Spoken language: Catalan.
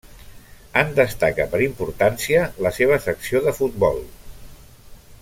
En destaca per importància la seva secció de futbol.